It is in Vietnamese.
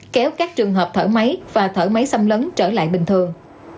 kéo các trường hợp thở máy và thở máy xâm lấn trở lại bình thường